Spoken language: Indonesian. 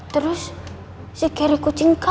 terus si geri kucing garong yang selalu nyebelin itu di kampus